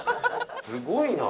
すごいな。